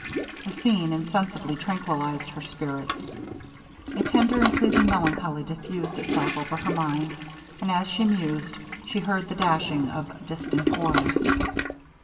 The scene insensibly tranquilized her spirits. A tender and pleasing melancholy diffused itself over her mind; and as she mused, she heard the dashing of distant oars.